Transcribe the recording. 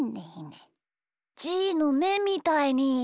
じーのめみたいに。